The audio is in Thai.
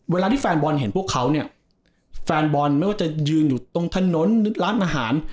เวลาที่แฟนบอลเห็นพวกเขาเนี่ยแฟนบอลไม่ว่าจะยืนอยู่ตรงถนนหรือร้านอาหาร